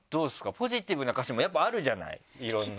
ポジティブな歌詞もやっぱあるじゃないいろんな。